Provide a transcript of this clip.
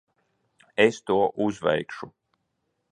Es to uzveikšu.